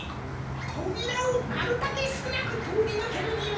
とびらをなるたけすくなくとおりぬけるには？